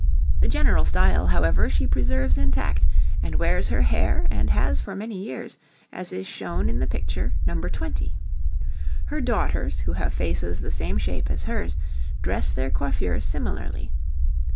The general style, however, she preserves intact, and wears her hair, and has for many years, as is shown in the picture No. 20. Her daughters, who have faces the same shape as hers, dress their coiffures similarly.